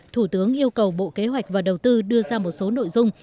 thủ tướng yêu cầu bộ kế hoạch và đầu tư đưa ra một số nội dung